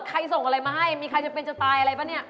ส่งอะไรมาให้มีใครจะเป็นจะตายอะไรป่ะเนี่ย